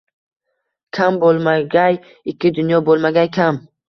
Kam bo‘lmagay ikki dunyo, bo‘lmagay kam.